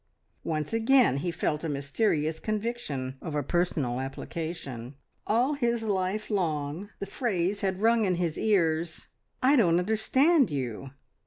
Once again he felt a mysterious conviction of a personal application. All his life long the phrase had rung in his ears, "I don't understand you!"